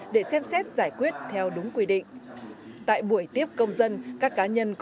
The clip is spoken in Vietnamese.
để xem xét giải quyết theo đúng quy định